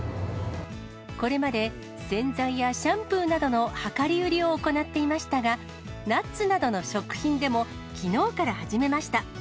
これまで洗剤やシャンプーなどの量り売りを行っていましたが、ナッツなどの食品でも、きのうから始めました。